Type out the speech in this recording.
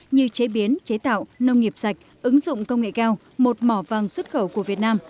như chế biến chế tạo nông nghiệp sạch ứng dụng công nghệ cao một mỏ vàng xuất khẩu của việt nam